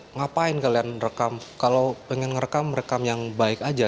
ngapain kalian rekam kalau ingin rekam rekam yang baik saja